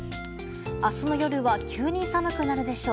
明日の夜は急に寒くなるでしょう。